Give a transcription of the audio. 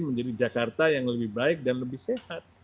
menjadi jakarta yang lebih baik dan lebih sehat